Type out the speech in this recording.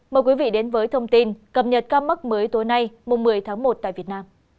mời quý vị đến với thông tin cập nhật ca mắc mới tối nay mùng một mươi tháng một tại việt nam